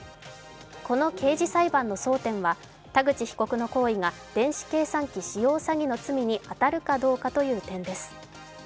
この刑事裁判の争点は田口被告の行為が電子計算機使用詐欺の罪に当たるかどうかという点です。